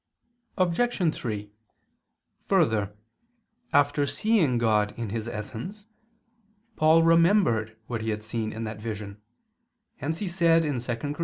Obj. 3: Further, after seeing God in His essence, Paul remembered what he had seen in that vision; hence he said (2 Cor.